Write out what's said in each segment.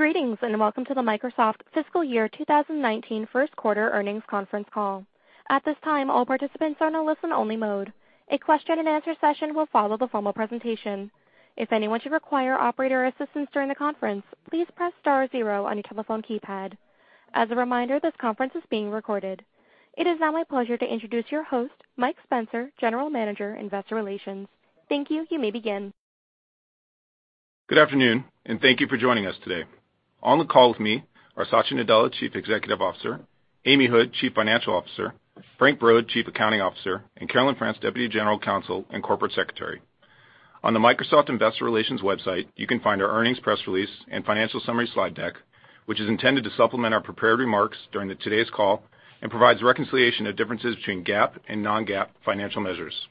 Greetings, welcome to the Microsoft fiscal year 2019 first quarter earnings conference call. At this time, all participants are in a listen only mode. A Q&A session will follow the formal presentation. If anyone should require operator assistance during the conference, please press star zero on your telephone keypad. As a reminder, this conference is being recorded. It is now my pleasure to introduce your host, Mike Spencer, General Manager, Investor Relations. Thank you. You may begin. Good afternoon and thank you for joining us today. On the call with me are Satya Nadella, Chief Executive Officer, Amy Hood, Chief Financial Officer, Frank Brod, Chief Accounting Officer, and Carolyn Frantz, Deputy General Counsel and Corporate Secretary. On the Microsoft Investor Relations website, you can find our earnings press release and financial summary slide deck, which is intended to supplement our prepared remarks during the today's call and provides reconciliation of differences between GAAP and non-GAAP financial measures.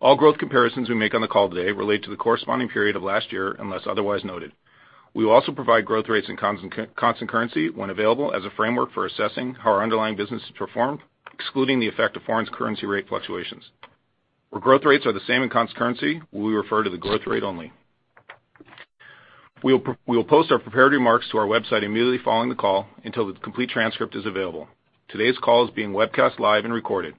All growth comparisons we make on the call today relate to the corresponding period of last year unless otherwise noted. We will also provide growth rates in constant currency when available as a framework for assessing how our underlying businesses performed, excluding the effect of foreign currency rate fluctuations. Where growth rates are the same in constant currency, we will refer to the growth rate only. We will post our prepared remarks to our website immediately following the call until the complete transcript is available. Today's call is being webcast live and recorded.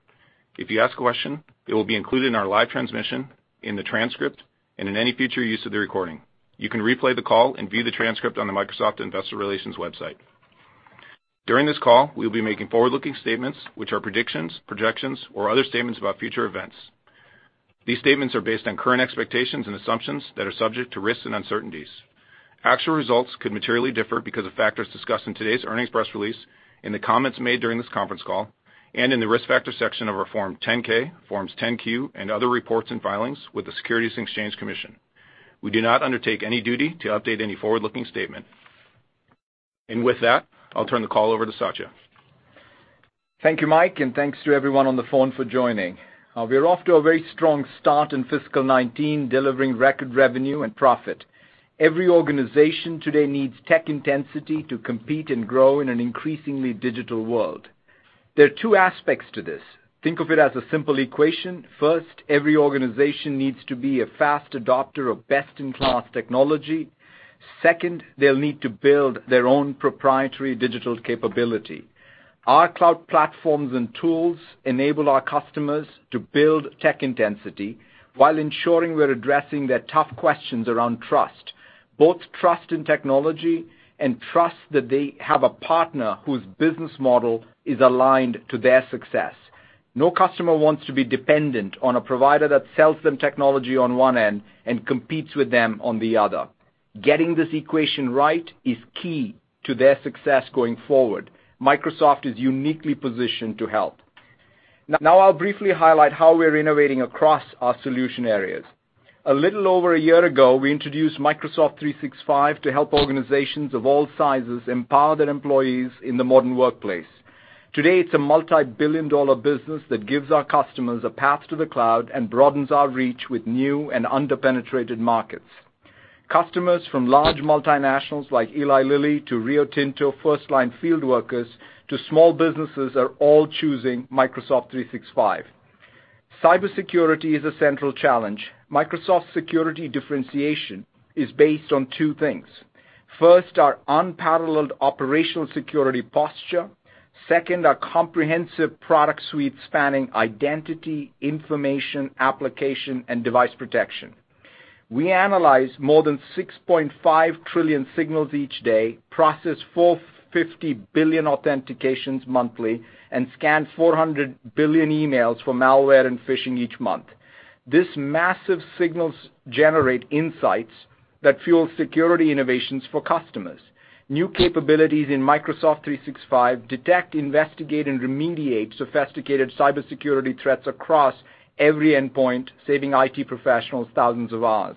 If you ask a question, it will be included in our live transmission, in the transcript, and in any future use of the recording. You can replay the call and view the transcript on the Microsoft Investor Relations website. During this call, we'll be making forward-looking statements, which are predictions, projections, or other statements about future events. These statements are based on current expectations and assumptions that are subject to risks and uncertainties. Actual results could materially differ because of factors discussed in today's earnings press release, in the comments made during this conference call, and in the Risk Factors section of our Form 10-K, Form 10-Q, and other reports and filings with the Securities and Exchange Commission. We do not undertake any duty to update any forward-looking statement. With that, I'll turn the call over to Satya. Thank you, Mike, and thanks to everyone on the phone for joining. We're off to a very strong start in fiscal 2019, delivering record revenue and profit. Every organization today needs tech intensity to compete and grow in an increasingly digital world. There are two aspects to this. Think of it as a simple equation. First, every organization needs to be a fast adopter of best-in-class technology. Second, they'll need to build their own proprietary digital capability. Our cloud platforms and tools enable our customers to build tech intensity while ensuring we're addressing their tough questions around trust, both trust in technology and trust that they have a partner whose business model is aligned to their success. No customer wants to be dependent on a provider that sells them technology on one end and competes with them on the other. Getting this equation right is key to their success going forward. Microsoft is uniquely positioned to help. I'll briefly highlight how we're innovating across our solution areas. A little over a year ago, we introduced Microsoft 365 to help organizations of all sizes empower their employees in the modern workplace. Today, it's a multi-billion-dollar business that gives our customers a path to the cloud and broadens our reach with new and under-penetrated markets. Customers from large multinationals like Eli Lilly to Rio Tinto firstline field workers to small businesses are all choosing Microsoft 365. Cybersecurity is a central challenge. Microsoft security differentiation is based on two things. First, our unparalleled operational security posture. Second, our comprehensive product suite spanning identity, information, application, and device protection. We analyze more than 6.5 trillion signals each day, process 450 billion authentications monthly, and scan 400 billion emails for malware and phishing each month. These massive signals generate insights that fuel security innovations for customers. New capabilities in Microsoft 365 detect, investigate, and remediate sophisticated cybersecurity threats across every endpoint, saving IT professionals thousands of hours.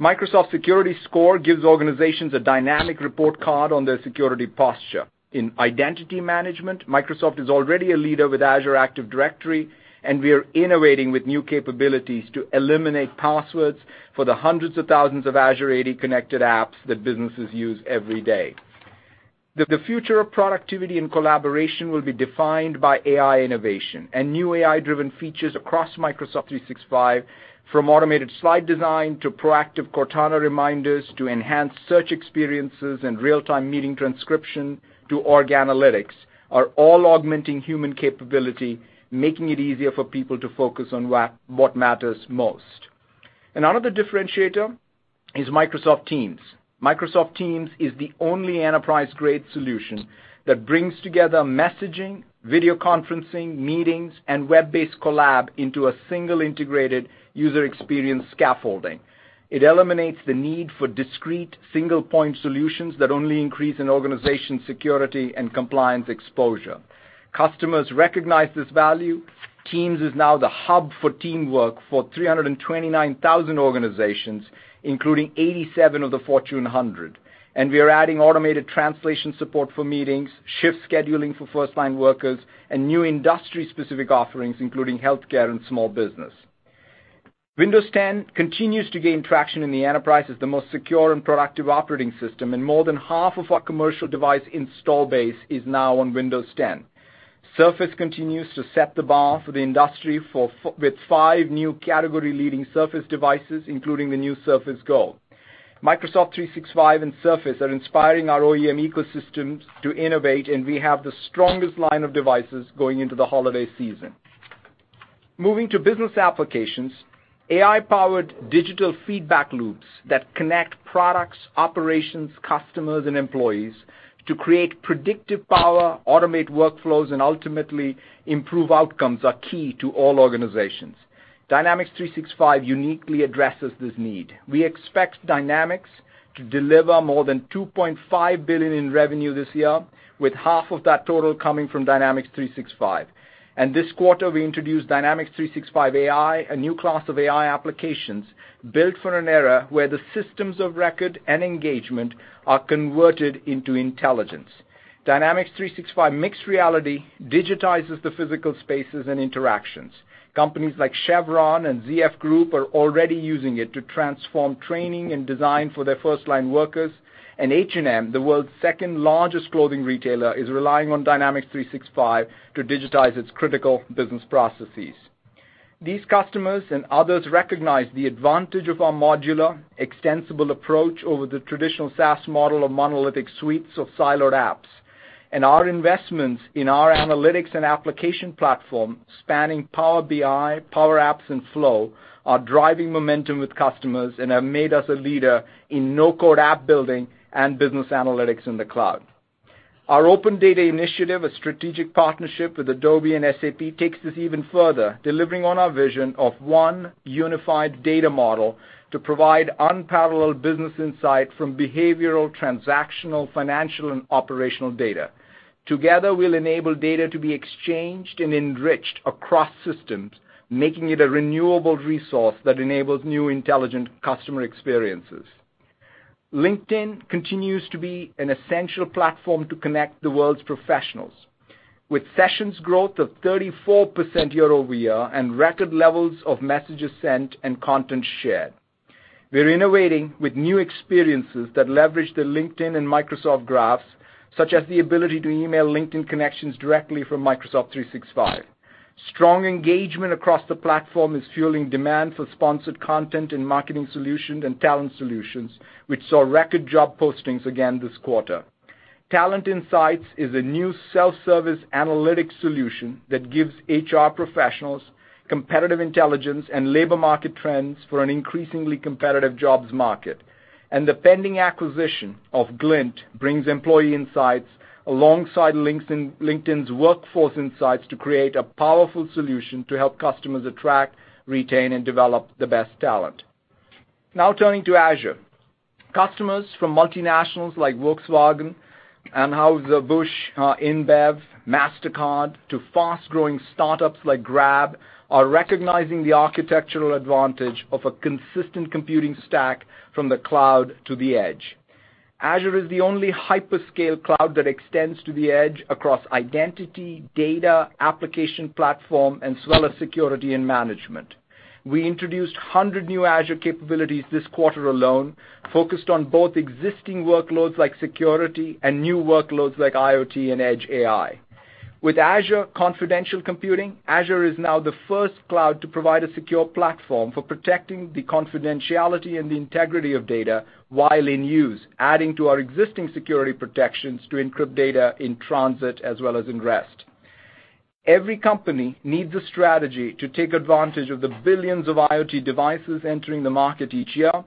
Microsoft Secure Score gives organizations a dynamic report card on their security posture. In identity management, Microsoft is already a leader with Azure Active Directory, and we are innovating with new capabilities to eliminate passwords for the hundreds of thousands of Azure AD connected apps that businesses use every day. The future of productivity and collaboration will be defined by AI innovation and new AI-driven features across Microsoft 365 from automated slide design to proactive Cortana reminders to enhanced search experiences and real-time meeting transcription to org analytics are all augmenting human capability, making it easier for people to focus on what matters most. Another differentiator is Microsoft Teams. Microsoft Teams is the only enterprise-grade solution that brings together messaging, video conferencing, meetings, and web-based collab into a single integrated user experience scaffolding. It eliminates the need for discrete single-point solutions that only increase an organization's security and compliance exposure. Customers recognize this value. Teams is now the hub for teamwork for 329,000 organizations, including 87 of the Fortune 100. We are adding automated translation support for meetings, shift scheduling for firstline workers, and new industry-specific offerings, including healthcare and small business. Windows 10 continues to gain traction in the enterprise as the most secure and productive operating system, more than half of our commercial device install base is now on Windows 10. Surface continues to set the bar for the industry with five new category-leading Surface devices, including the new Surface Go. Microsoft 365 and Surface are inspiring our OEM ecosystems to innovate, we have the strongest line of devices going into the holiday season. Moving to business applications, AI-powered digital feedback loops that connect products, operations, customers, and employees to create predictive power, automate workflows, and ultimately improve outcomes are key to all organizations. Dynamics 365 uniquely addresses this need. We expect Dynamics to deliver more than $2.5 billion in revenue this year, with half of that total coming from Dynamics 365. This quarter, we introduced Dynamics 365 AI, a new class of AI applications built for an era where the systems of record and engagement are converted into intelligence. Dynamics 365 Mixed Reality digitizes the physical spaces and interactions. Companies like Chevron and ZF Group are already using it to transform training and design for their firstline workers, and H&M, the world's second-largest clothing retailer, is relying on Dynamics 365 to digitize its critical business processes. These customers and others recognize the advantage of our modular, extensible approach over the traditional SaaS model of monolithic suites of siloed apps. Our investments in our analytics and application platform spanning Power BI, Power Apps, and Flow are driving momentum with customers and have made us a leader in no-code app building and business analytics in the cloud. Our Open Data Initiative, a strategic partnership with Adobe and SAP, takes this even further, delivering on our vision of one unified data model to provide unparalleled business insight from behavioral, transactional, financial, and operational data. Together, we'll enable data to be exchanged and enriched across systems, making it a renewable resource that enables new intelligent customer experiences. LinkedIn continues to be an essential platform to connect the world's professionals. With sessions growth of 34% year-over-year and record levels of messages sent and content shared. We're innovating with new experiences that leverage the LinkedIn and Microsoft Graphs, such as the ability to email LinkedIn connections directly from Microsoft 365. Strong engagement across the platform is fueling demand for sponsored content and Marketing Solutions and Talent Solutions, which saw record job postings again this quarter. Talent Insights is a new self-service analytic solution that gives HR professionals competitive intelligence and labor market trends for an increasingly competitive jobs market. The pending acquisition of Glint brings employee insights alongside LinkedIn's Workforce Insights to create a powerful solution to help customers attract, retain, and develop the best talent. Now turning to Azure. Customers from multinationals like Volkswagen, Anheuser-Busch InBev, Mastercard, to fast-growing startups like Grab are recognizing the architectural advantage of a consistent computing stack from the cloud to the edge. Azure is the only hyperscale cloud that extends to the edge across identity, data, application platform, and seller security and management. We introduced 100 new Azure capabilities this quarter alone, focused on both existing workloads like security and new workloads like IoT and Edge AI. With Azure Confidential Computing, Azure is now the first cloud to provide a secure platform for protecting the confidentiality and the integrity of data while in use, adding to our existing security protections to encrypt data in transit as well as in rest. Every company needs a strategy to take advantage of the billions of IoT devices entering the market each year.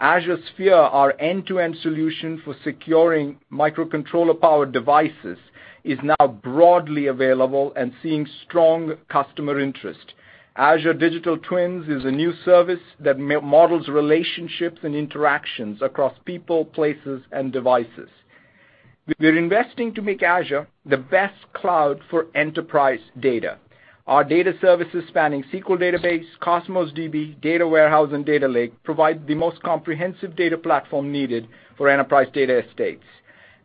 Azure Sphere, our end-to-end solution for securing microcontroller power devices, is now broadly available and seeing strong customer interest. Azure Digital Twins is a new service that models relationships and interactions across people, places, and devices. We're investing to make Azure the best cloud for enterprise data. Our data services spanning Azure SQL Database, Azure Cosmos DB, Azure Synapse Analytics, and Azure Data Lake provide the most comprehensive data platform needed for enterprise data estates.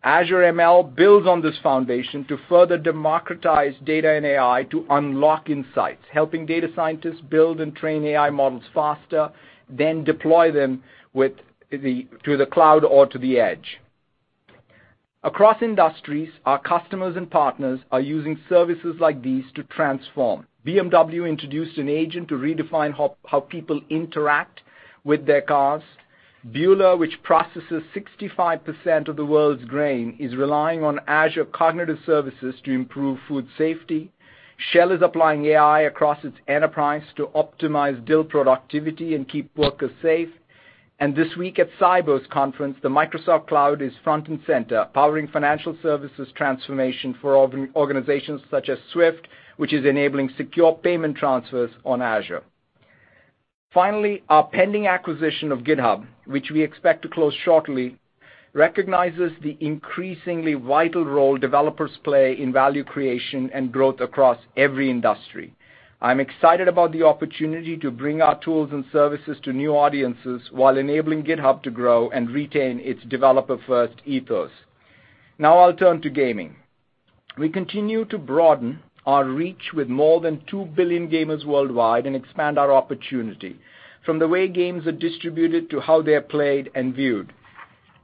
Azure ML builds on this foundation to further democratize data and AI to unlock insights, helping data scientists build and train AI models faster, then deploy them to the cloud or to the edge. Across industries, our customers and partners are using services like these to transform. BMW introduced an agent to redefine how people interact with their cars. Bühler, which processes 65% of the world's grain, is relying on Azure Cognitive Services to improve food safety. Shell is applying AI across its enterprise to optimize drill productivity and keep workers safe. This week at Sibos Conference, the Microsoft Cloud is front and center, powering financial services transformation for organizations such as SWIFT, which is enabling secure payment transfers on Azure. Our pending acquisition of GitHub, which we expect to close shortly, recognizes the increasingly vital role developers play in value creation and growth across every industry. I'm excited about the opportunity to bring our tools and services to new audiences while enabling GitHub to grow and retain its developer-first ethos. I'll turn to gaming. We continue to broaden our reach with more than two billion gamers worldwide and expand our opportunity from the way games are distributed to how they are played and viewed.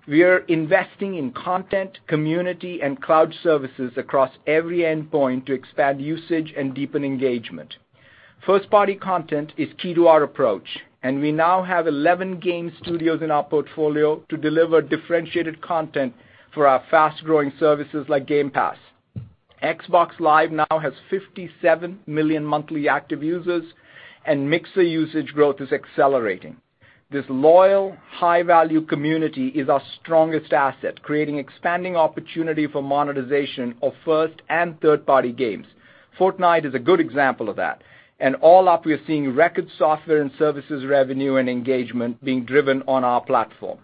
We are investing in content, community, and cloud services across every endpoint to expand usage and deepen engagement. First-party content is key to our approach, and we now have 11 game studios in our portfolio to deliver differentiated content for our fast-growing services like Game Pass. Xbox Live now has 57 million monthly active users, and Mixer usage growth is accelerating. This loyal, high-value community is our strongest asset, creating expanding opportunity for monetization of first and third-party games. Fortnite is a good example of that. All up, we are seeing record software and services revenue and engagement being driven on our platform.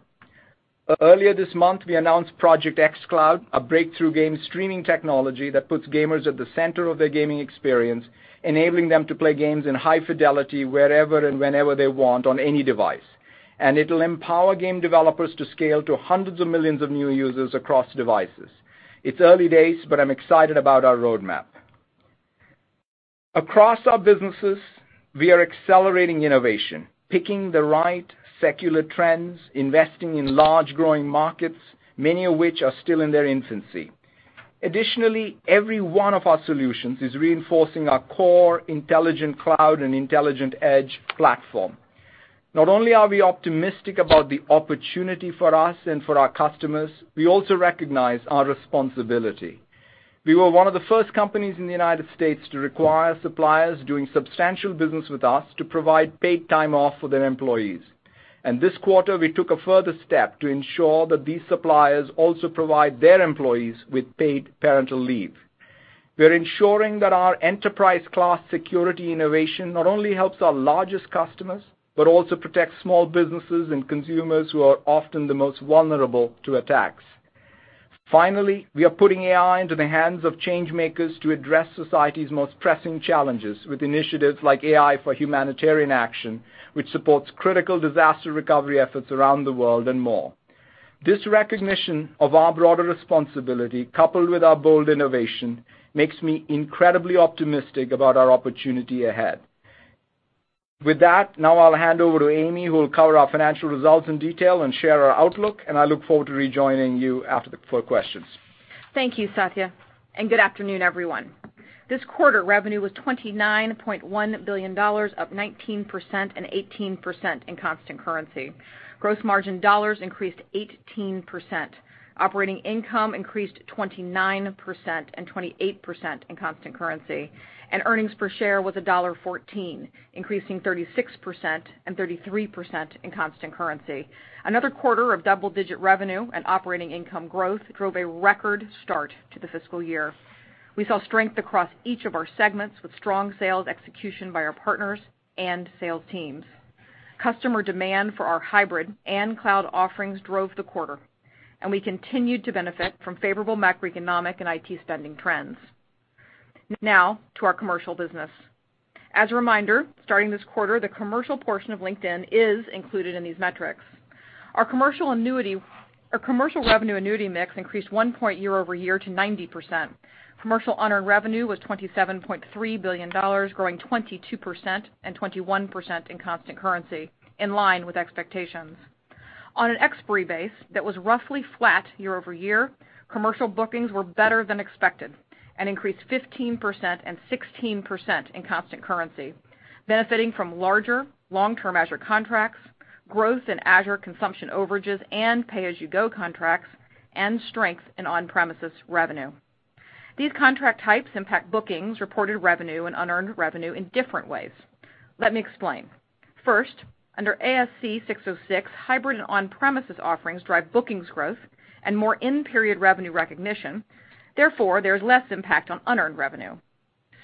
Earlier this month, we announced Project xCloud, a breakthrough game streaming technology that puts gamers at the center of their gaming experience, enabling them to play games in high fidelity wherever and whenever they want on any device. It'll empower game developers to scale to hundreds of millions of new users across devices. It's early days, I'm excited about our roadmap. Across our businesses, we are accelerating innovation, picking the right secular trends, investing in large growing markets, many of which are still in their infancy. Additionally, every one of our solutions is reinforcing our core intelligent cloud and intelligent edge platform. Not only are we optimistic about the opportunity for us and for our customers, we also recognize our responsibility. We were one of the first companies in the United States to require suppliers doing substantial business with us to provide paid time off for their employees. This quarter, we took a further step to ensure that these suppliers also provide their employees with paid parental leave. We're ensuring that our enterprise-class security innovation not only helps our largest customers, but also protects small businesses and consumers who are often the most vulnerable to attacks. Finally, we are putting AI into the hands of change-makers to address society's most pressing challenges with initiatives like AI for Humanitarian Action, which supports critical disaster recovery efforts around the world and more. This recognition of our broader responsibility, coupled with our bold innovation, makes me incredibly optimistic about our opportunity ahead. With that, now I'll hand over to Amy, who will cover our financial results in detail and share our outlook, and I look forward to rejoining you for questions. Thank you, Satya. Good afternoon, everyone. This quarter, revenue was $29.1 billion, up 19% and 18% in constant currency. Gross margin dollars increased 18%. Operating income increased 29% and 28% in constant currency, and earnings per share was $1.14, increasing 36% and 33% in constant currency. Another quarter of double-digit revenue and operating income growth drove a record start to the fiscal year. We saw strength across each of our segments with strong sales execution by our partners and sales teams. Customer demand for our hybrid and cloud offerings drove the quarter, and we continued to benefit from favorable macroeconomic and IT spending trends. Now to our commercial business. As a reminder, starting this quarter, the commercial portion of LinkedIn is included in these metrics. Our commercial annuity mix increased 1 point year-over-year to 90%. Commercial unearned revenue was $27.3 billion, growing 22% and 21% in constant currency, in line with expectations. On an ex-FX basis that was roughly flat year-over-year, commercial bookings were better than expected and increased 15% and 16% in constant currency, benefiting from larger long-term Azure contracts, growth in Azure consumption overages and pay-as-you-go contracts, and strength in on-premises revenue. These contract types impact bookings, reported revenue, and unearned revenue in different ways. Let me explain. First, under ASC 606, hybrid and on-premises offerings drive bookings growth and more in-period revenue recognition. Therefore, there is less impact on unearned revenue.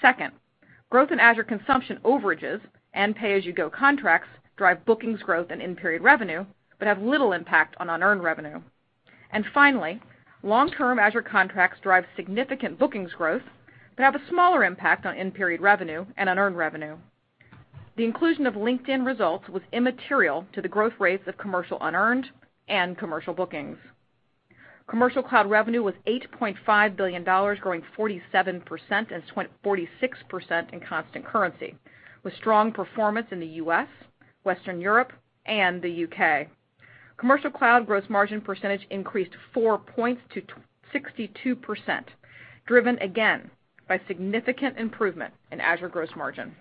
Second, growth in Azure consumption overages and pay-as-you-go contracts drive bookings growth and in-period revenue, but have little impact on unearned revenue. Finally, long-term Azure contracts drive significant bookings growth, but have a smaller impact on in-period revenue and unearned revenue. The inclusion of LinkedIn results was immaterial to the growth rates of commercial unearned and commercial bookings. Commercial cloud revenue was $8.5 billion, growing 47% and 46% in constant currency, with strong performance in the U.S., Western Europe, and the U.K. Commercial cloud gross margin percentage increased 4 points to 62%, driven again by significant improvement in Azure gross margin.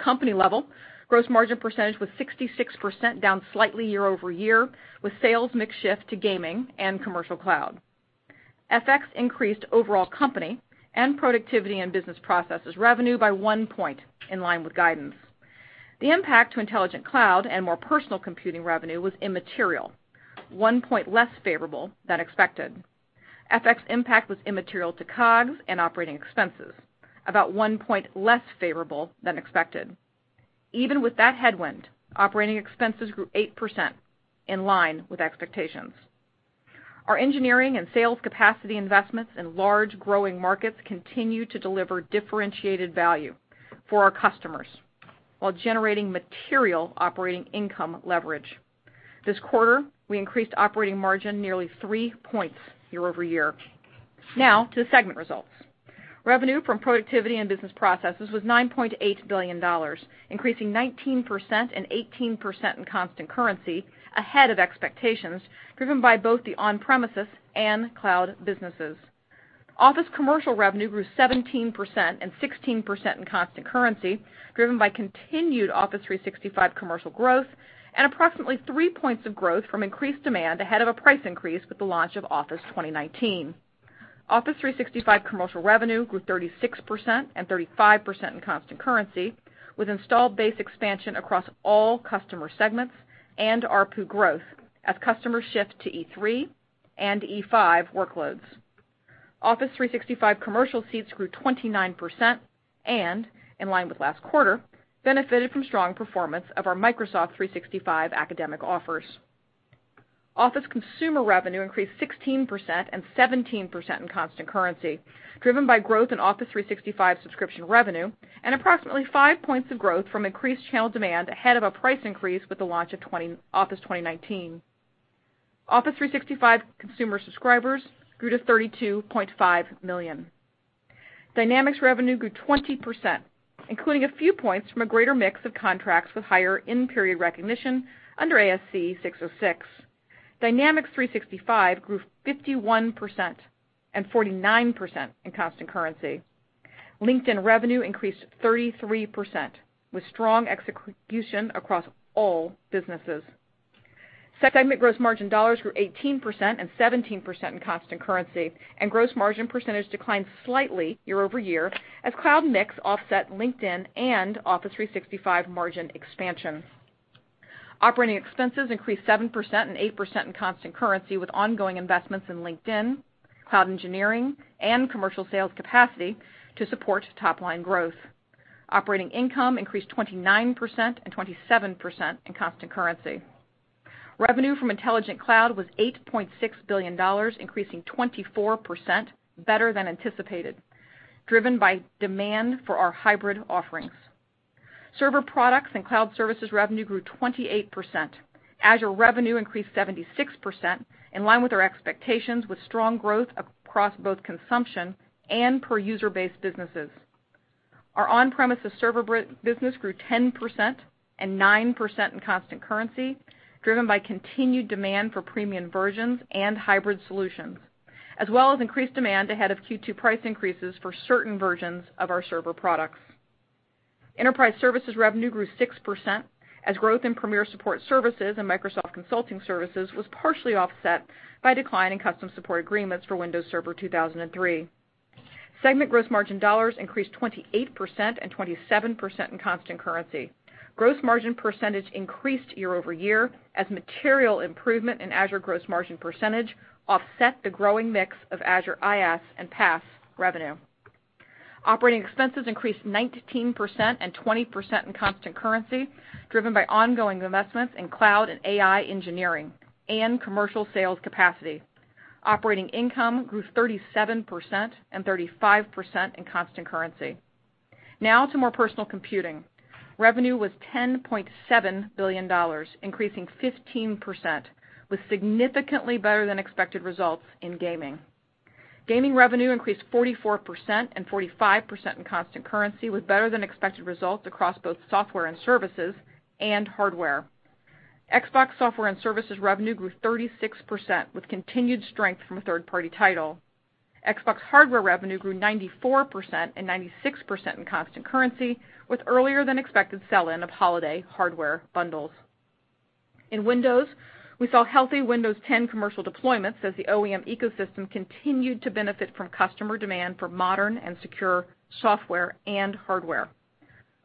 Company level gross margin percentage was 66%, down slightly year-over-year, with sales mix shift to gaming and commercial cloud. FX increased overall company and productivity and business processes revenue by 1 point, in line with guidance. The impact to intelligent cloud and more personal computing revenue was immaterial, 1 point less favorable than expected. FX impact was immaterial to COGS and operating expenses, about 1 point less favorable than expected. Even with that headwind, operating expenses grew 8%, in line with expectations. Our engineering and sales capacity investments in large growing markets continue to deliver differentiated value for our customers while generating material operating income leverage. This quarter, we increased operating margin nearly 3 points year-over-year. Now to the segment results. Revenue from productivity and business processes was $9.8 billion, increasing 19% and 18% in constant currency, ahead of expectations driven by both the on-premises and cloud businesses. Office commercial revenue grew 17% and 16% in constant currency, driven by continued Office 365 commercial growth and approximately 3 points of growth from increased demand ahead of a price increase with the launch of Office 2019. Office 365 commercial revenue grew 36% and 35% in constant currency with installed base expansion across all customer segments and ARPU growth as customers shift to E3 and E5 workloads. Office 365 commercial seats grew 29% and in line with last quarter, benefited from strong performance of our Microsoft 365 academic offers. Office consumer revenue increased 16% and 17% in constant currency, driven by growth in Office 365 subscription revenue and approximately 5 points of growth from increased channel demand ahead of a price increase with the launch of Office 2019. Office 365 consumer subscribers grew to 32.5 million. Dynamics revenue grew 20%, including a few points from a greater mix of contracts with higher in-period recognition under ASC 606. Dynamics 365 grew 51% and 49% in constant currency. LinkedIn revenue increased 33% with strong execution across all businesses. Segment gross margin dollars grew 18% and 17% in constant currency, and gross margin percentage declined slightly year-over-year as cloud mix offset LinkedIn and Office 365 margin expansion. Operating expenses increased 7% and 8% in constant currency with ongoing investments in LinkedIn, cloud engineering, and commercial sales capacity to support top line growth. Operating income increased 29% and 27% in constant currency. Revenue from Intelligent Cloud was $8.6 billion, increasing 24% better than anticipated, driven by demand for our hybrid offerings. Server products and cloud services revenue grew 28%. Azure revenue increased 76% in line with our expectations with strong growth across both consumption and per user-based businesses. Our on-premises server business grew 10% and 9% in constant currency, driven by continued demand for premium versions and hybrid solutions, as well as increased demand ahead of Q2 price increases for certain versions of our server products. Enterprise services revenue grew 6% as growth in Premier Support Services and Microsoft Consulting Services was partially offset by decline in custom support agreements for Windows Server 2003. Segment gross margin dollars increased 28% and 27% in constant currency. Gross margin percentage increased year-over-year as material improvement in Azure gross margin percentage offset the growing mix of Azure IaaS and PaaS revenue. Operating expenses increased 19% and 20% in constant currency, driven by ongoing investments in cloud and AI engineering and commercial sales capacity. Operating income grew 37% and 35% in constant currency. To more personal computing. Revenue was $10.7 billion, increasing 15% with significantly better than expected results in Gaming. Gaming revenue increased 44% and 45% in constant currency, with better than expected results across both software and services and hardware. Xbox software and services revenue grew 36% with continued strength from a third-party title. Xbox hardware revenue grew 94% and 96% in constant currency, with earlier than expected sell-in of holiday hardware bundles. In Windows, we saw healthy Windows 10 commercial deployments as the OEM ecosystem continued to benefit from customer demand for modern and secure software and hardware.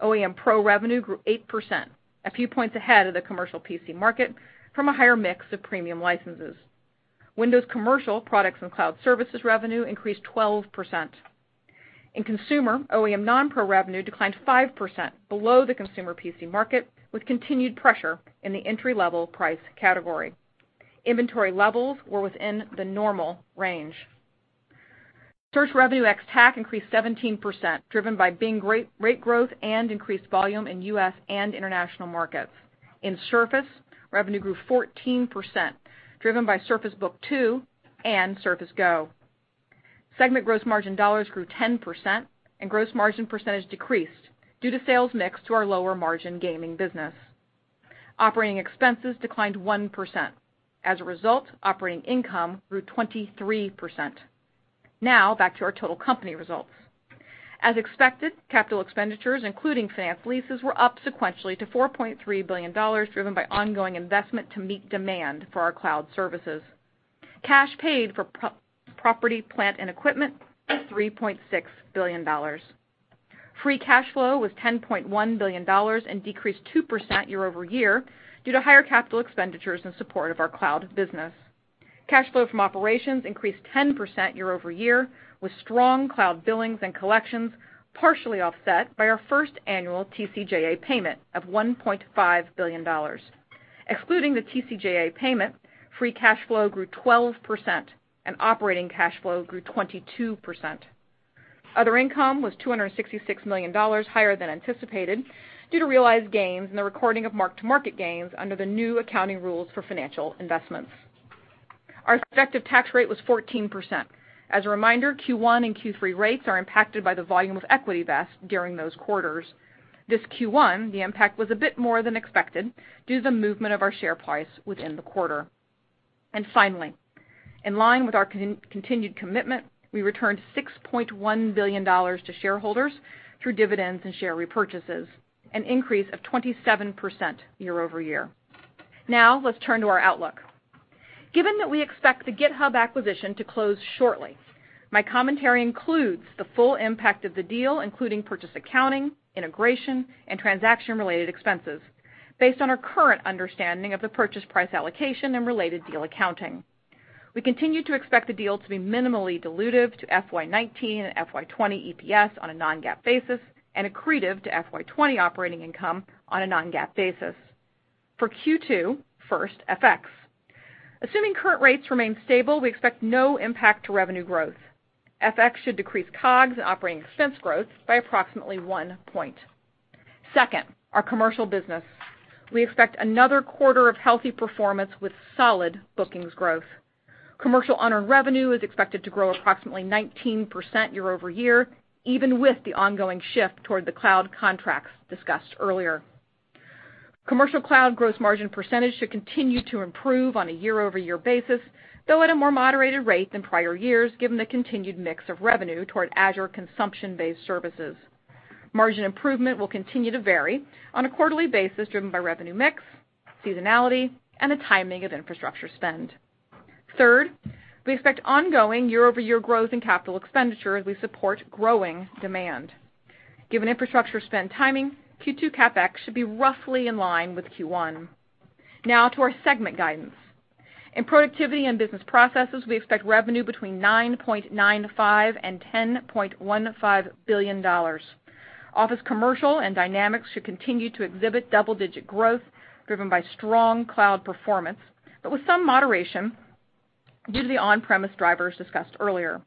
OEM Pro revenue grew 8%, a few points ahead of the commercial PC market from a higher mix of premium licenses. Windows commercial products and cloud services revenue increased 12%. In consumer, OEM non-Pro revenue declined 5% below the consumer PC market, with continued pressure in the entry-level price category. Inventory levels were within the normal range. Search revenue ex-TAC increased 17%, driven by Bing rate growth and increased volume in U.S. and international markets. In Surface, revenue grew 14%, driven by Surface Book 2 and Surface Go. Segment gross margin dollars grew 10% and gross margin percentage decreased due to sales mix to our lower margin gaming business. Operating expenses declined 1%. As a result, operating income grew 23%. Now back to our total company results. As expected, capital expenditures, including finance leases, were up sequentially to $4.3 billion, driven by ongoing investment to meet demand for our cloud services. Cash paid for property, plant, and equipment, $3.6 billion. Free cash flow was $10.1 billion and decreased 2% year-over-year due to higher CapEx in support of our cloud business. Cash flow from operations increased 10% year-over-year with strong cloud billings and collections, partially offset by our first annual TCJA payment of $1.5 billion. Excluding the TCJA payment, free cash flow grew 12% and operating cash flow grew 22%. Other income was $266 million higher than anticipated due to realized gains in the recording of mark-to-market gains under the new accounting rules for financial investments. Our effective tax rate was 14%. As a reminder, Q1 and Q3 rates are impacted by the volume of equity vests during those quarters. This Q1, the impact was a bit more than expected due to the movement of our share price within the quarter. Finally, in line with our continued commitment, we returned $6.1 billion to shareholders through dividends and share repurchases, an increase of 27% year-over-year. Let's turn to our outlook. Given that we expect the GitHub acquisition to close shortly, my commentary includes the full impact of the deal, including purchase accounting, integration, and transaction-related expenses based on our current understanding of the purchase price allocation and related deal accounting. We continue to expect the deal to be minimally dilutive to FY 2019 and FY 2020 EPS on a non-GAAP basis and accretive to FY 2020 operating income on a non-GAAP basis. For Q2, FX. Assuming current rates remain stable, we expect no impact to revenue growth. FX should decrease COGS and operating expense growth by approximately 1 point. Second, our commercial business. We expect another quarter of healthy performance with solid bookings growth. Commercial unearned revenue is expected to grow approximately 19% year-over-year, even with the ongoing shift toward the cloud contracts discussed earlier. Commercial cloud gross margin percentage should continue to improve on a year-over-year basis, though at a more moderated rate than prior years, given the continued mix of revenue toward Azure consumption-based services. Margin improvement will continue to vary on a quarterly basis driven by revenue mix, seasonality, and the timing of infrastructure spend. Third, we expect ongoing year-over-year growth in capital expenditure as we support growing demand. Given infrastructure spend timing, Q2 CapEx should be roughly in line with Q1. To our segment guidance. In Productivity and Business Processes, we expect revenue between $9.95 billion and $10.15 billion. Office Commercial and Dynamics should continue to exhibit double-digit growth driven by strong cloud performance, but with some moderation due to the on-premise drivers discussed earlier.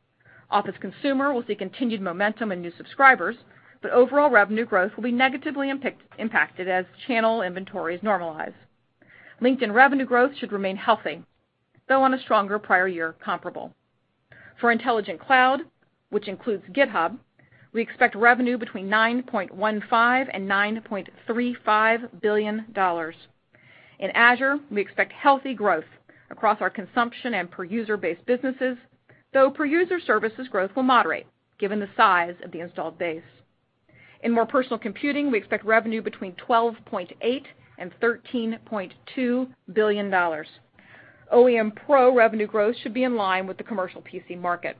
Office Consumer will see continued momentum in new subscribers, but overall revenue growth will be negatively impacted as channel inventories normalize. LinkedIn revenue growth should remain healthy, though on a stronger prior year comparable. For Intelligent Cloud, which includes GitHub, we expect revenue between $9.15 billion-$9.35 billion. In Azure, we expect healthy growth across our consumption and per user-based businesses, though per user services growth will moderate given the size of the installed base. In More Personal Computing, we expect revenue between $12.8 billion-$13.2 billion. OEM Pro revenue growth should be in line with the commercial PC market.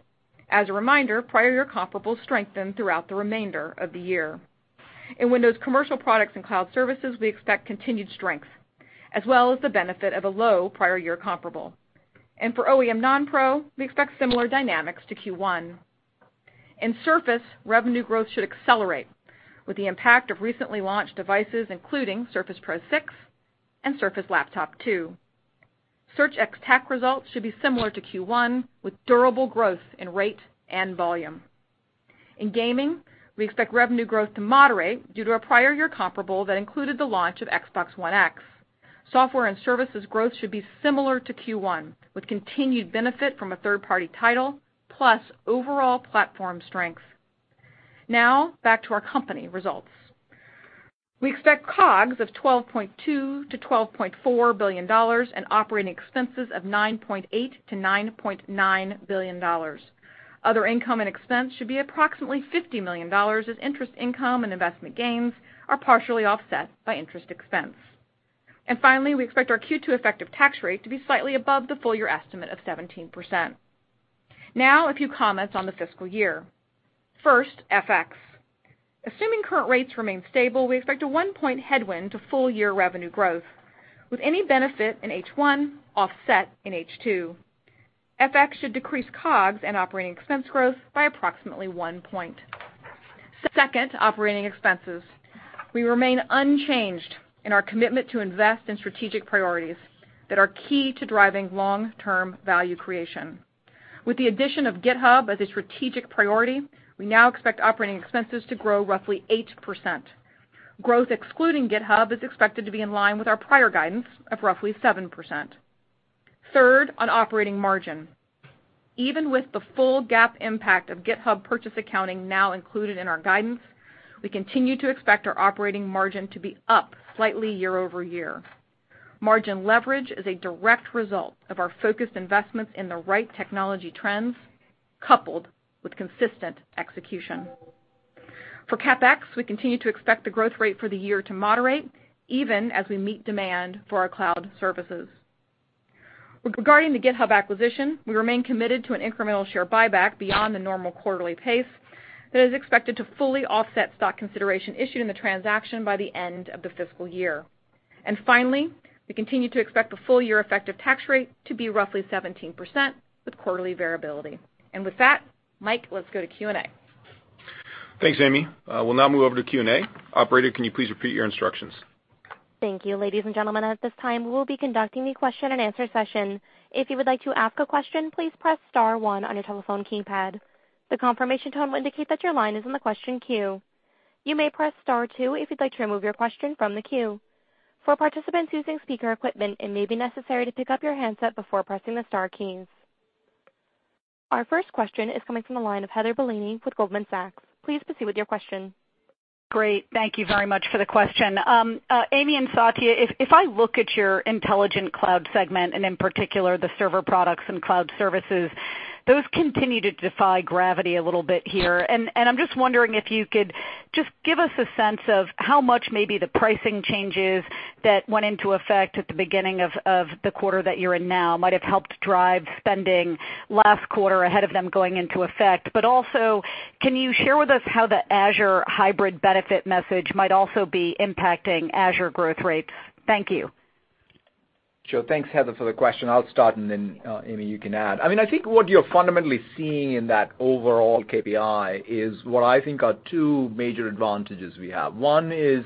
As a reminder, prior year comparables strengthen throughout the remainder of the year. In Windows Commercial Products and Cloud Services, we expect continued strength, as well as the benefit of a low prior year comparable. For OEM non-Pro, we expect similar dynamics to Q1. In Surface, revenue growth should accelerate with the impact of recently launched devices, including Surface Pro 6 and Surface Laptop 2. Search TAC results should be similar to Q1, with durable growth in rate and volume. In Gaming, we expect revenue growth to moderate due to a prior year comparable that included the launch of Xbox One X. Software and services growth should be similar to Q1, with continued benefit from a third-party title plus overall platform strength. Now back to our company results. We expect COGS of $12.2 billion-$12.4 billion and operating expenses of $9.8 billion-$9.9 billion. Other income and expense should be approximately $50 million as interest income and investment gains are partially offset by interest expense. Finally, we expect our Q2 effective tax rate to be slightly above the full year estimate of 17%. Now a few comments on the fiscal year. First, FX. Assuming current rates remain stable, we expect a 1 point headwind to full year revenue growth, with any benefit in H1 offset in H2. FX should decrease COGS and operating expense growth by approximately 1 point. Second, operating expenses. We remain unchanged in our commitment to invest in strategic priorities that are key to driving long-term value creation. With the addition of GitHub as a strategic priority, we now expect OpEx to grow roughly 8%. Growth excluding GitHub is expected to be in line with our prior guidance of roughly 7%. Third, on operating margin. Even with the full GAAP impact of GitHub purchase accounting now included in our guidance, we continue to expect our operating margin to be up slightly year-over-year. Margin leverage is a direct result of our focused investments in the right technology trends coupled with consistent execution. For CapEx, we continue to expect the growth rate for the year to moderate even as we meet demand for our cloud services. Regarding the GitHub acquisition, we remain committed to an incremental share buyback beyond the normal quarterly pace that is expected to fully offset stock consideration issued in the transaction by the end of the fiscal year. Finally, we continue to expect the full year effective tax rate to be roughly 17% with quarterly variability. With that, Mike, let's go to Q&A. Thanks, Amy. We'll now move over to Q&A. Operator, can you please repeat your instructions? Thank you. Ladies and gentlemen, at this time, we will be conducting the Q&A session. If you would like to ask a question, please press star one on your telephone keypad. The confirmation tone will indicate that your line is in the question queue. You may press star two if you'd like to remove your question from the queue. For participants using speaker equipment, it may be necessary to pick up your handset before pressing the star keys. Our first question is coming from the line of Heather Bellini with Goldman Sachs. Please proceed with your question. Great. Thank you very much for the question. Amy and Satya, if I look at your Intelligent Cloud segment, and in particular, the server products and cloud services, those continue to defy gravity a little bit here. I'm just wondering if you could just give us a sense of how much maybe the pricing changes that went into effect at the beginning of the quarter that you're in now might have helped drive spending last quarter ahead of them going into effect? Also, can you share with us how the Azure Hybrid Benefit message might also be impacting Azure growth rates? Thank you. Sure. Thanks, Heather, for the question. I'll start and then Amy, you can add. I mean, I think what you're fundamentally seeing in that overall KPI is what I think are two major advantages we have. One is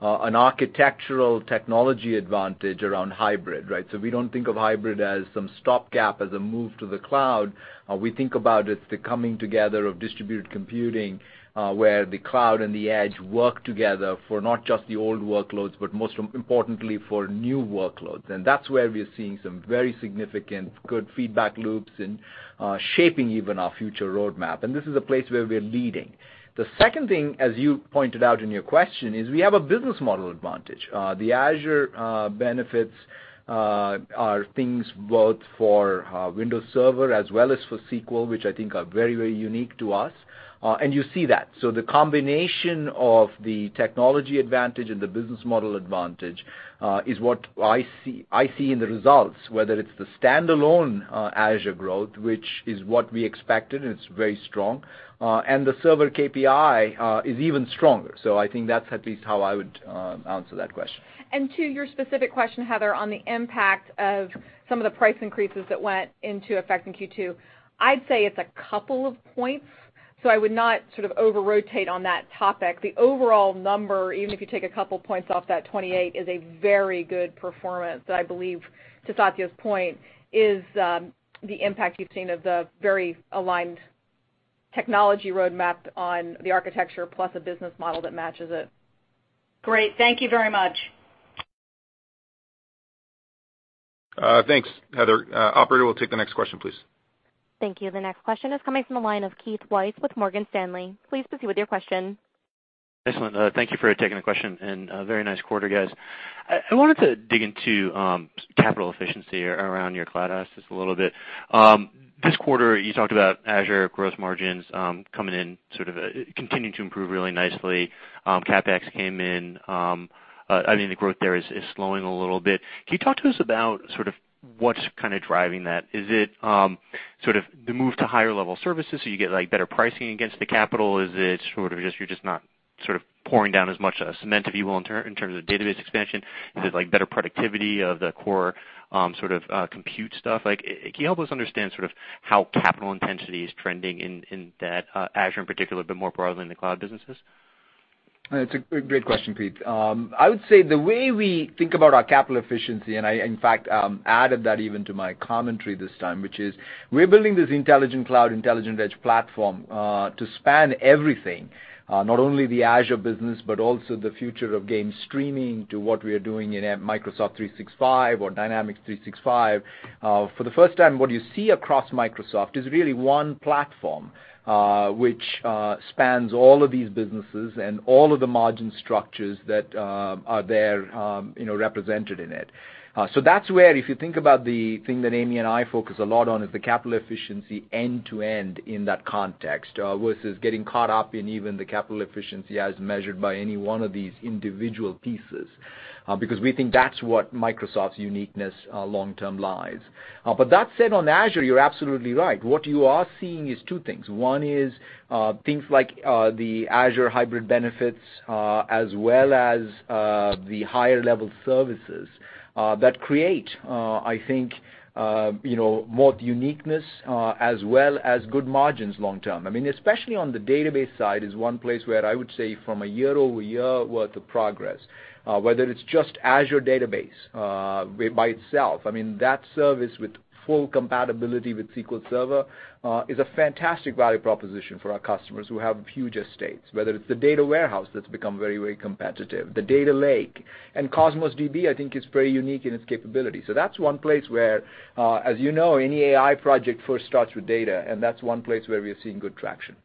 an architectural technology advantage around hybrid, right? We don't think of hybrid as some stopgap as a move to the cloud. We think about it as the coming together of distributed computing, where the cloud and the edge work together for not just the old workloads, but most importantly for new workloads. That's where we're seeing some very significant good feedback loops and shaping even our future roadmap. This is a place where we are leading. The second thing, as you pointed out in your question, is we have a business model advantage. The Azure benefits are things both for Windows Server as well as for SQL, which I think are very, very unique to us, and you see that. The combination of the technology advantage and the business model advantage is what I see in the results, whether it's the standalone Azure growth, which is what we expected, and it's very strong, and the server KPI is even stronger. I think that's at least how I would answer that question. To your specific question, Heather, on the impact of some of the price increases that went into effect in Q2, I'd say it's a couple of points, so I would not sort of over-rotate on that topic. The overall number, even if you take a couple points off that 28, is a very good performance that I believe, to Satya's point, is the impact you've seen of the very aligned technology roadmap on the architecture plus a business model that matches it. Great. Thank you very much. Thanks, Heather. Operator, we'll take the next question, please. Thank you. The next question is coming from the line of Keith Weiss with Morgan Stanley. Please proceed with your question. Excellent. Thank you for taking the question, and very nice quarter, guys. I wanted to dig into capital efficiency around your cloud assets a little bit. This quarter, you talked about Azure gross margins coming in sort of continuing to improve really nicely. CapEx came in, I mean, the growth there is slowing a little bit. Can you talk to us about sort of what's kind of driving that? Is it sort of the move to higher level services, so you get, like, better pricing against the capital? Is it sort of just you're just not sort of pouring down as much cement, if you will, in terms of database expansion? Is it, like, better productivity of the core sort of compute stuff? Like, can you help us understand sort of how capital intensity is trending in that, Azure in particular, but more broadly in the cloud businesses? It's a great question, Keith. I would say the way we think about our capital efficiency, and I, in fact, added that even to my commentary this time, which is we're building this intelligent cloud, intelligent edge platform, to span everything, not only the Azure business, but also the future of game streaming to what we are doing in Microsoft 365 or Dynamics 365. For the first time, what you see across Microsoft is really one platform, which spans all of these businesses and all of the margin structures that are there, you know, represented in it. That's where, if you think about the thing that Amy and I focus a lot on, is the capital efficiency end to end in that context, versus getting caught up in even the capital efficiency as measured by any one of these individual pieces, because we think that's what Microsoft's uniqueness, long term lies. That said, on Azure, you're absolutely right. What you are seeing is two things. One is, things like, the Azure Hybrid benefits, as well as, the higher level services, that create, I think, you know, both uniqueness, as well as good margins long term. I mean, especially on the database side is one place where I would say from a year-over-year worth of progress, whether it's just Azure database by itself, I mean, that service with full compatibility with SQL Server is a fantastic value proposition for our customers who have huge estates, whether it's the data warehouse that's become very, very competitive, the data lake, and Cosmos DB, I think, is very unique in its capability. That's one place where, as you know, any AI project first starts with data, that's one place where we are seeing good traction.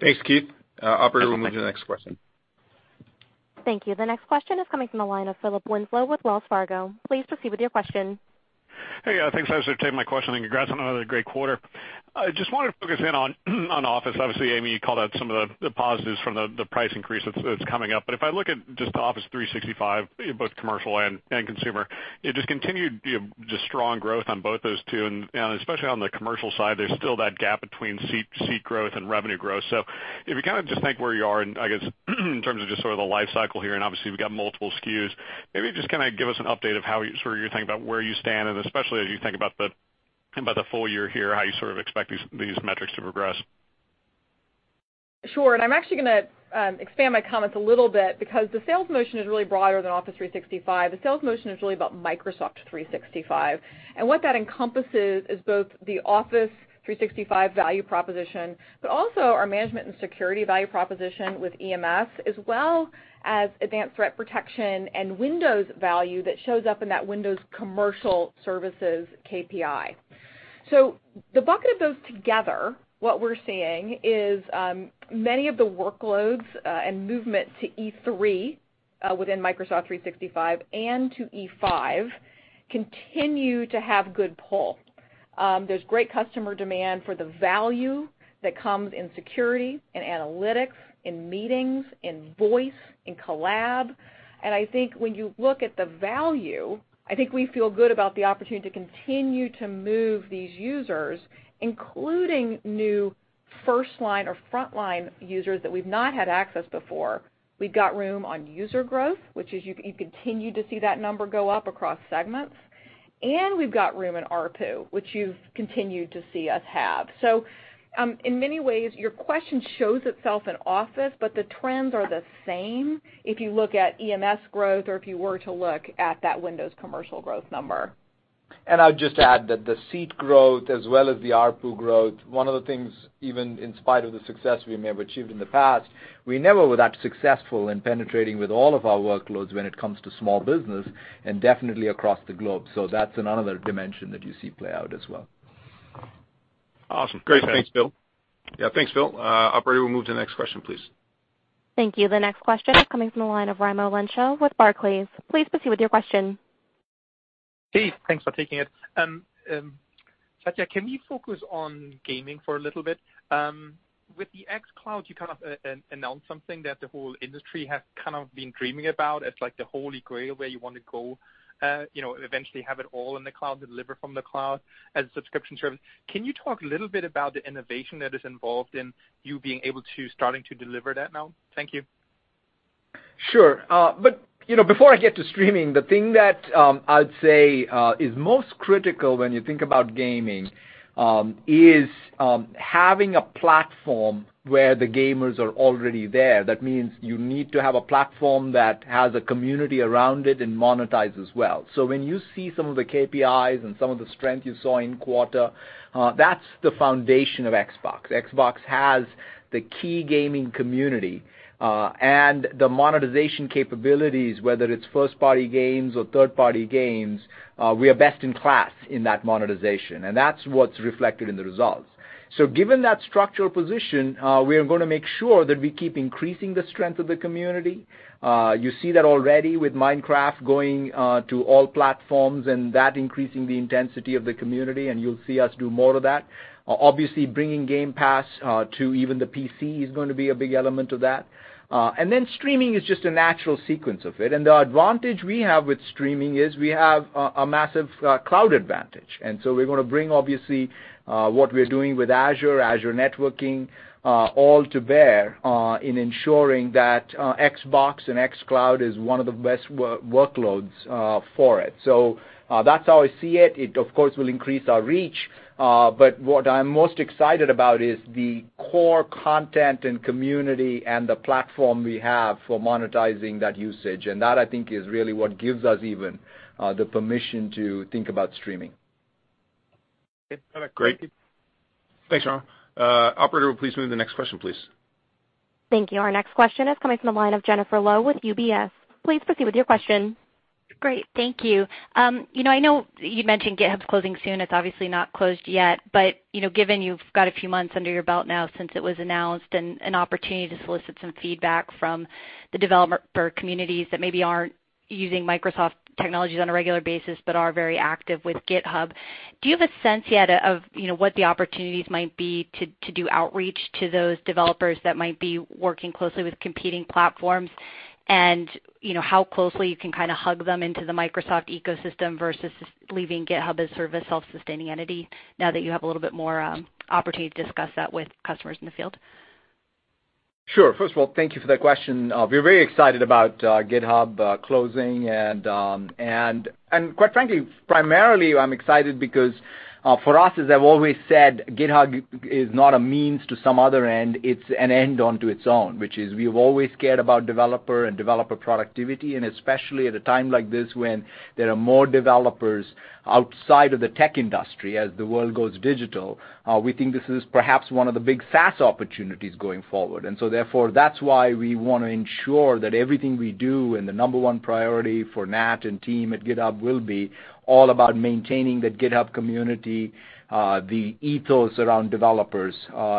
Thanks, Keith. Operator, we'll move to the next question. Thank you. The next question is coming from the line of Philip Winslow with Wells Fargo. Please proceed with your question. Hey. Yeah, thanks for taking my question, and congrats on another great quarter. I just wanted to focus in on Office. Obviously, Amy Hood, you called out some of the positives from the price increase that's coming up. If I look at just Office 365, both commercial and consumer, it just continued the strong growth on both those two, especially on the commercial side, there's still that gap between seat growth and revenue growth. If you kinda just think where you are in, I guess, in terms of just sort of the life cycle here, and obviously we've got multiple SKUs, maybe just kinda give us an update of how you sort of you're thinking about where you stand, and especially as you think about the full year here, how you sort of expect these metrics to progress. Sure. I'm actually gonna expand my comments a little bit because the sales motion is really broader than Office 365. The sales motion is really about Microsoft 365, and what that encompasses is both the Office 365 value proposition, but also our management and security value proposition with EMS, as well as advanced threat protection and Windows value that shows up in that Windows Commercial services KPI. The bucket of those together, what we're seeing is many of the workloads and movement to E3 within Microsoft 365 and to E5 continue to have good pull. There's great customer demand for the value that comes in security and analytics, in meetings, in voice, in collab. I think when you look at the value, I think we feel good about the opportunity to continue to move these users, including new first line or front line users that we've not had access before. We've got room on user growth, which you continue to see that number go up across segments, and we've got room in ARPU, which you've continued to see us have. In many ways, your question shows itself in Office, but the trends are the same if you look at EMS growth or if you were to look at that Windows Commercial growth number. I'd just add that the seat growth as well as the ARPU growth, one of the things, even in spite of the success we may have achieved in the past, we never were that successful in penetrating with all of our workloads when it comes to small business and definitely across the globe, so that's another dimension that you see play out as well. Awesome. Great. Thanks, Phil. Yeah. Thanks, Phil. operator, we'll move to the next question, please. Thank you. The next question coming from the line of Raimo Lenschow with Barclays. Please proceed with your question. Hey, thanks for taking it. Satya, can we focus on gaming for a little bit? With the xCloud, you kind of announced something that the whole industry has kind of been dreaming about as like the holy grail where you want to go, you know, eventually have it all in the cloud, delivered from the cloud as a subscription service. Can you talk a little bit about the innovation that is involved in you being able to starting to deliver that now? Thank you. Sure. But, you know, before I get to streaming, the thing that I'd say is most critical when you think about gaming is having a platform where the gamers are already there. That means you need to have a platform that has a community around it and monetizes well. When you see some of the KPIs and some of the strength you saw in quarter, that's the foundation of Xbox. Xbox has the key gaming community and the monetization capabilities, whether it's first party games or third party games, we are best in class in that monetization, and that's what's reflected in the results. Given that structural position, we are gonna make sure that we keep increasing the strength of the community. You see that already with Minecraft going to all platforms and that increasing the intensity of the community, and you'll see us do more of that. Obviously, bringing Game Pass to even the PC is going to be a big element of that. Streaming is just a natural sequence of it, and the advantage we have with streaming is we have a massive cloud advantage. We're gonna bring, obviously, what we're doing with Azure networking, all to bear in ensuring that Xbox and xCloud is one of the best workloads for it. That's how I see it. It, of course, will increase our reach, but what I'm most excited about is the core content and community and the platform we have for monetizing that usage, and that, I think, is really what gives us even the permission to think about streaming. Okay, great. Thanks, Raimo. Operator, will you please move to the next question, please? Thank you. Our next question is coming from the line of Jennifer Lowe with UBS. Please proceed with your question. Great. Thank you. you know, I know you mentioned GitHub's closing soon. It's obviously not closed yet, but, you know, given you've got a few months under your belt now since it was announced and an opportunity to solicit some feedback from the developer communities that maybe aren't using Microsoft technologies on a regular basis but are very active with GitHub, do you have a sense yet of, you know, what the opportunities might be to do outreach to those developers that might be working closely with competing platforms and, you know, how closely you can kind of hug them into the Microsoft ecosystem versus leaving GitHub as sort of a self-sustaining entity now that you have a little bit more opportunity to discuss that with customers in the field? Sure. First of all, thank you for that question. We're very excited about GitHub closing, and quite frankly, primarily I'm excited because for us, as I've always said, GitHub is not a means to some other end, it's an end onto its own, which is we've always cared about developer and developer productivity, and especially at a time like this when there are more developers outside of the tech industry as the world goes digital, we think this is perhaps one of the big SaaS opportunities going forward. That's why we wanna ensure that everything we do, and the number one priority for Nat and team at GitHub, will be all about maintaining the GitHub community, the ethos around developers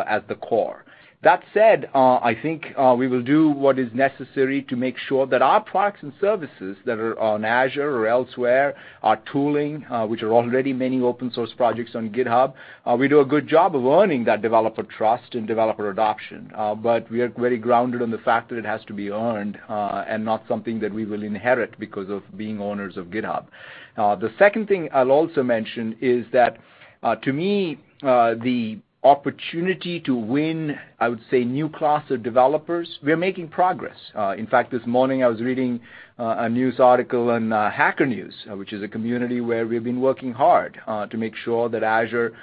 at the core. That said, I think, we will do what is necessary to make sure that our products and services that are on Azure or elsewhere, our tooling, which are already many open source projects on GitHub, we do a good job of earning that developer trust and developer adoption. We are very grounded on the fact that it has to be earned, and not something that we will inherit because of being owners of GitHub. The second thing I'll also mention is that, to me, the opportunity to win, I would say, new class of developers, we're making progress. In fact, this morning I was reading a news article on Hacker News, which is a community where we've been working hard to make sure that Azure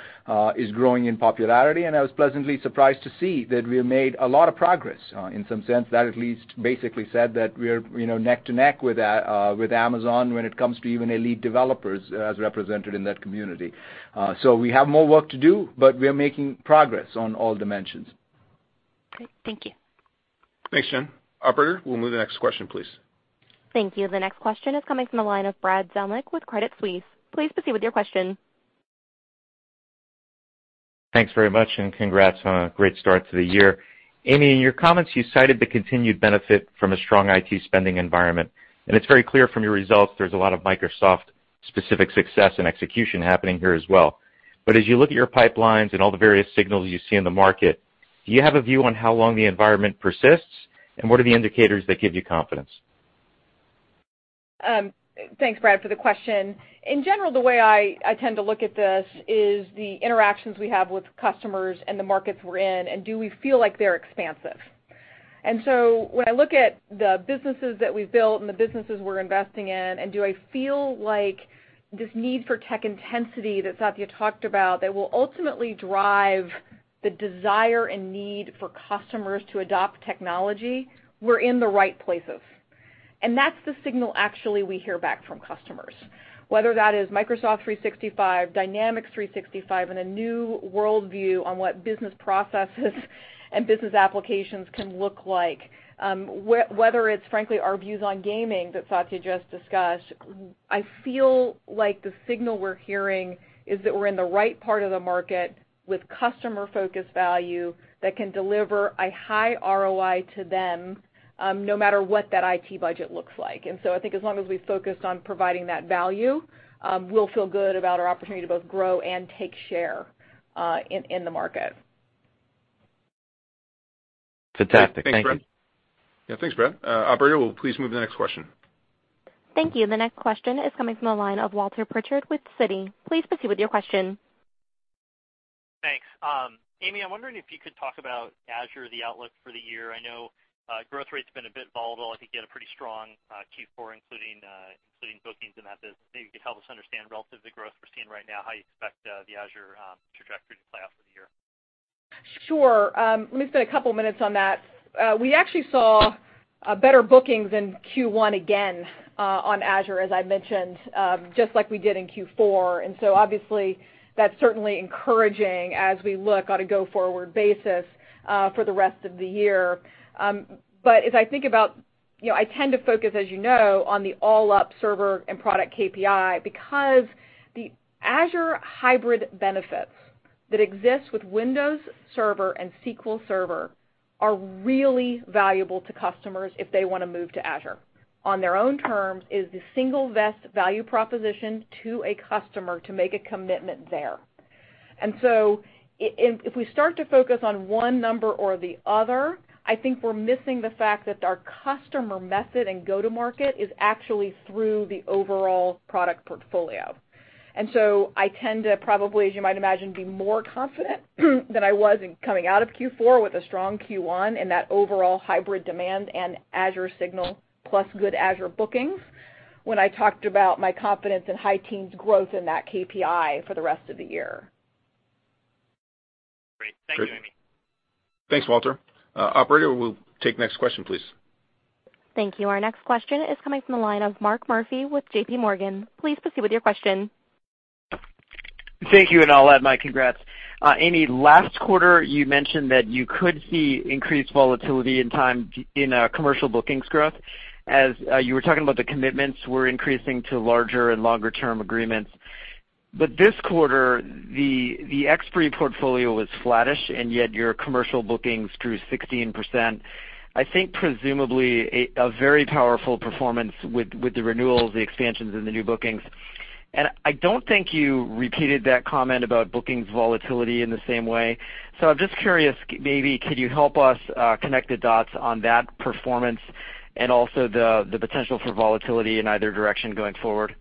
is growing in popularity, and I was pleasantly surprised to see that we have made a lot of progress. In some sense, that at least basically said that we're, you know, neck to neck with Amazon when it comes to even elite developers as represented in that community. We have more work to do, but we are making progress on all dimensions. Great. Thank you. Thanks, Jen. Operator, we'll move to the next question, please. Thank you. The next question is coming from the line of Brad Zelnick with Credit Suisse. Please proceed with your question. Thanks very much. Congrats on a great start to the year. Amy, in your comments you cited the continued benefit from a strong IT spending environment, and it's very clear from your results there's a lot of Microsoft-specific success and execution happening here as well. As you look at your pipelines and all the various signals you see in the market, do you have a view on how long the environment persists, and what are the indicators that give you confidence? Thanks, Brad, for the question. In general, the way I tend to look at this is the interactions we have with customers and the markets we're in, and do we feel like they're expansive. When I look at the businesses that we've built and the businesses we're investing in, and do I feel like this need for tech intensity that Satya talked about that will ultimately drive the desire and need for customers to adopt technology, we're in the right places. That's the signal actually we hear back from customers. Whether that is Microsoft 365, Dynamics 365, and a new worldview on what business processes and business applications can look like. Whether it's frankly our views on gaming that Satya just discussed, I feel like the signal we're hearing is that we're in the right part of the market with customer-focused value that can deliver a high ROI to them, no matter what that IT budget looks like. I think as long as we focus on providing that value, we'll feel good about our opportunity to both grow and take share in the market. Fantastic. Thank you. Yeah. Thanks, Brad. Operator, will you please move to the next question? Thank you. The next question is coming from the line of Walter Pritchard with Citi. Please proceed with your question. Thanks. Amy, I'm wondering if you could talk about Azure, the outlook for the year. I know growth rate's been a bit volatile. I think you had a pretty strong Q4 including bookings in that business. Maybe you could help us understand relative to growth we're seeing right now how you expect the Azure trajectory to play out for the year? Sure. Let me spend a couple minutes on that. We actually saw better bookings in Q1 again on Azure, as I mentioned, just like we did in Q4. Obviously that's certainly encouraging as we look on a go-forward basis for the rest of the year. But as I think about, I tend to focus on the all-up server and product KPI because the Azure Hybrid Benefits that exist with Windows Server and SQL Server are really valuable to customers if they want to move to Azure. On their own terms is the single best value proposition to a customer to make a commitment there. If we start to focus on one number or the other, I think we're missing the fact that our customer method and go-to market is actually through the overall product portfolio. I tend to probably, as you might imagine, be more confident than I was in coming out of Q4 with a strong Q1 and that overall hybrid demand and Azure signal plus good Azure bookings when I talked about my confidence in high teens growth in that KPI for the rest of the year. Great. Thank you, Amy. Thanks, Walter. Operator, we'll take next question, please. Thank you. Our next question is coming from the line of Mark Murphy with JPMorgan. Please proceed with your question. Thank you, and I'll add my congrats. Amy, last quarter you mentioned that you could see increased volatility in time in commercial bookings growth as you were talking about the commitments were increasing to larger and longer term agreements. This quarter, the ex-FX portfolio was flattish, and yet your commercial bookings grew 16%. I think presumably a very powerful performance with the renewals, the expansions and the new bookings. I don't think you repeated that comment about bookings volatility in the same way. I'm just curious, maybe could you help us connect the dots on that performance and also the potential for volatility in either direction going forward?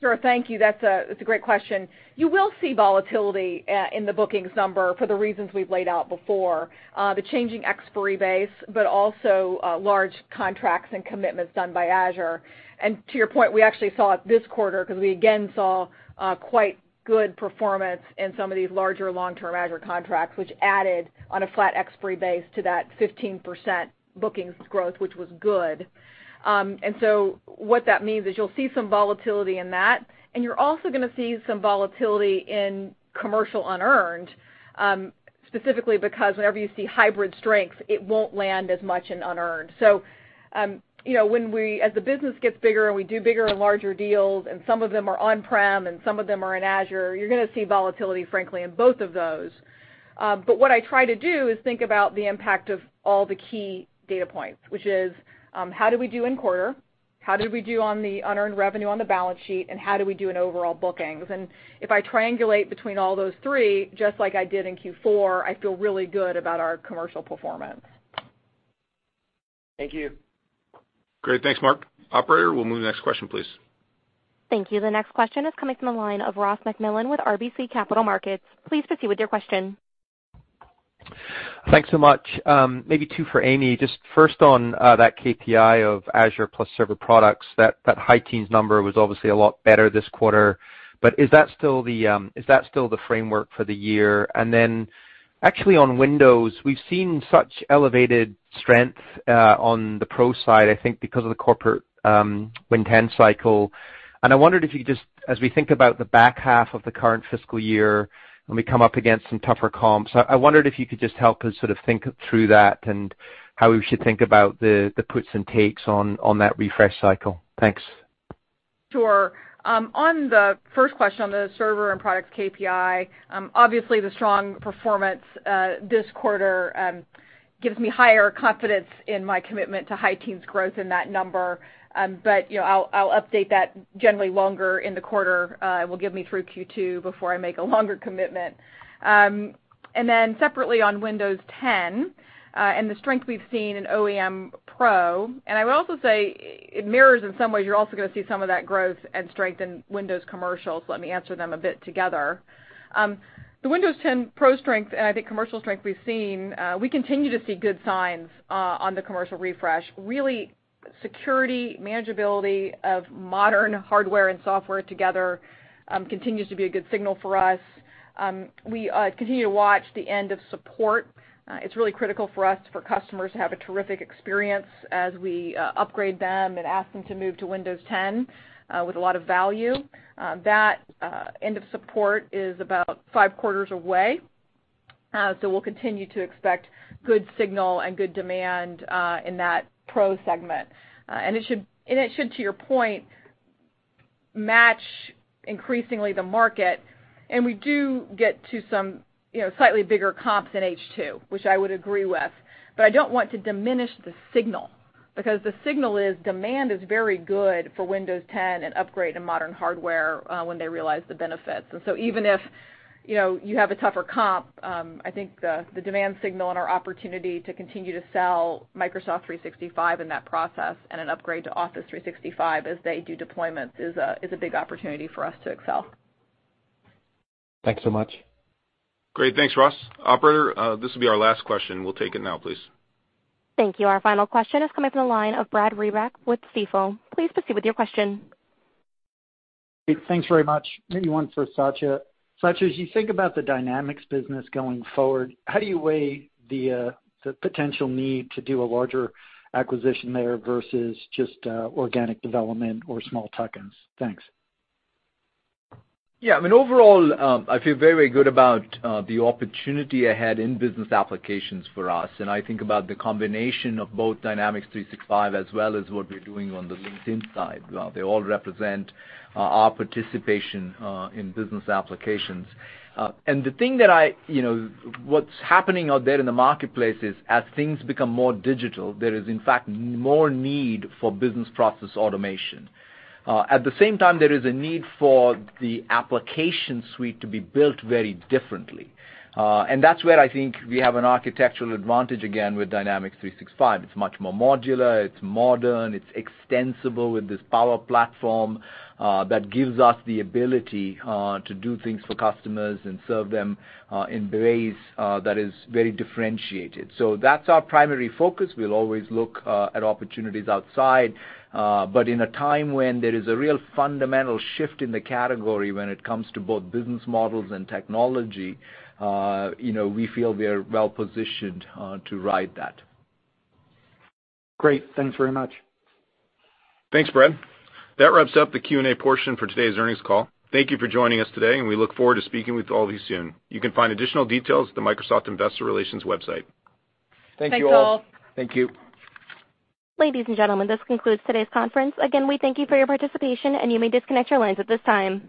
Sure. Thank you. That's a, that's a great question. You will see volatility in the bookings number for the reasons we've laid out before. The changing expiry base, but also large contracts and commitments done by Azure. To your point, we actually saw it this quarter 'cause we again saw quite good performance in some of these larger long-term Azure contracts, which added on a flat expiry base to that 15% bookings growth, which was good. What that means is you'll see some volatility in that, and you're also gonna see some volatility in commercial unearned, specifically because whenever you see hybrid strength, it won't land as much in unearned. As the business gets bigger and we do bigger and larger deals, and some of them are on-prem and some of them are in Azure, you're gonna see volatility, frankly, in both of those. What I try to do is think about the impact of all the key data points, which is, how did we do in quarter? How did we do on the unearned revenue on the balance sheet? How did we do in overall bookings? If I triangulate between all those three, just like I did in Q4, I feel really good about our commercial performance. Thank you. Great. Thanks, Mark. Operator, we'll move to the next question, please. Thank you. The next question is coming from the line of Ross MacMillan with RBC Capital Markets. Please proceed with your question. Thanks so much. Maybe two for Amy. Just first on that KPI of Azure plus server products, that high teens number was obviously a lot better this quarter. Is that still the framework for the year? Actually on Windows, we've seen such elevated strength on the Pro side, I think because of the corporate Windows 10 cycle. I wondered if you could just, as we think about the back half of the current fiscal year, when we come up against some tougher comps, I wondered if you could just help us sort of think through that and how we should think about the puts and takes on that refresh cycle. Thanks. On the first question, on the server and product KPI, obviously the strong performance this quarter gives me higher confidence in my commitment to high teens growth in that number. You know, I'll update that generally longer in the quarter, will give me through Q2 before I make a longer commitment. Separately on Windows 10, and the strength we've seen in OEM Pro, I will also say it mirrors in some ways, you're also gonna see some of that growth and strength in Windows Commercial, let me answer them a bit together. The Windows 10 Pro strength and I think commercial strength we've seen, we continue to see good signs on the commercial refresh. Really security, manageability of modern hardware and software together, continues to be a good signal for us. We continue to watch the end of support. It's really critical for us for customers to have a terrific experience as we upgrade them and ask them to move to Windows 10 with a lot of value. That end of support is about five quarters away. We'll continue to expect good signal and good demand in that Pro segment. It should, to your point, match increasingly the market, and we do get to some, you know, slightly bigger comps in H2, which I would agree with. I don't want to diminish the signal because the signal is demand is very good for Windows 10 and upgrade to modern hardware when they realize the benefits. Even if, you know, you have a tougher comp, I think the demand signal and our opportunity to continue to sell Microsoft 365 in that process and an upgrade to Office 365 as they do deployments is a big opportunity for us to excel. Thanks so much. Great. Thanks, Ross. Operator, this will be our last question. We'll take it now, please. Thank you. Our final question is coming from the line of Brad Reback with Stifel. Please proceed with your question. Thanks very much. Maybe one for Satya. Satya, as you think about the Dynamics business going forward, how do you weigh the potential need to do a larger acquisition there versus just organic development or small tuck-ins? Thanks. Yeah. I mean, overall, I feel very good about the opportunity ahead in business applications for us, and I think about the combination of both Dynamics 365 as well as what we're doing on the LinkedIn side. They all represent our participation in business applications. You know, what's happening out there in the marketplace is as things become more digital, there is in fact more need for business process automation. At the same time, there is a need for the application suite to be built very differently. That's where I think we have an architectural advantage again with Dynamics 365. It's much more modular, it's modern, it's extensible with this Power Platform that gives us the ability to do things for customers and serve them in ways that is very differentiated. That's our primary focus. We'll always look at opportunities outside. In a time when there is a real fundamental shift in the category when it comes to both business models and technology, you know, we feel we are well-positioned, to ride that. Great. Thanks very much. Thanks, Brad. That wraps up the Q&A portion for today's earnings call. Thank you for joining us today, and we look forward to speaking with all of you soon. You can find additional details at the Microsoft Investor Relations website. Thank you all. Thanks all. Thank you. Ladies and gentlemen, this concludes today's conference. Again, we thank you for your participation, and you may disconnect your lines at this time.